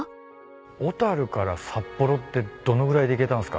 小樽から札幌ってどのぐらいで行けたんすか？